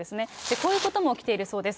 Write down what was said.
こういうことも起きているそうです。